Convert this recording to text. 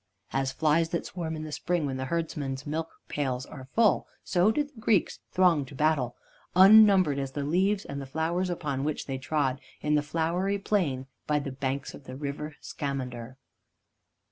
As flies that swarm in the spring when the herdsmen's milk pails are full, so did the Greeks throng to battle, unnumbered as the leaves and the flowers upon which they trod in the flowery plain by the banks of the river Scamander.